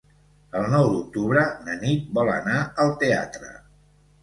El nou d'octubre na Nit vol anar al teatre.